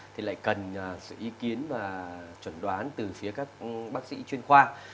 thì lại cần sự ý kiến và chuẩn đoán từ phía các bác sĩ chuyên khoa